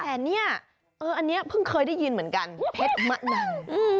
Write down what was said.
แต่เนี่ยอันนี้เพิ่งเคยได้ยินเหมือนกันเพชรมะนัง